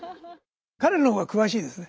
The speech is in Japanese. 彼の方が詳しいですね。